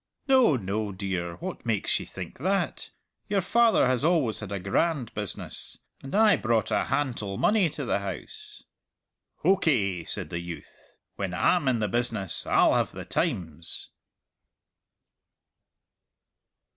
"No, no, dear; what makes ye think that? Your father has always had a grand business, and I brought a hantle money to the house." "Hokey!" said the youth, "when Ah'm in the business Ah'll have the times!"